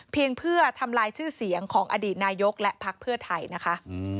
เพื่อทำลายชื่อเสียงของอดีตนายกและพักเพื่อไทยนะคะ